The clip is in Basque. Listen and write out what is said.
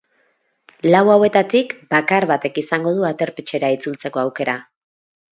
Lau hauetatik bakar batek izango du aterpetxera itzultzeko aukera.